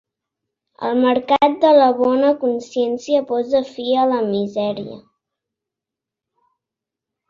El mercat de la bona consciència posa fi a la misèria.